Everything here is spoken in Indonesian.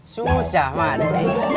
susah banget nih